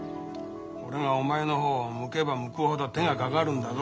俺がお前の方を向けば向くほど手がかかるんだぞ。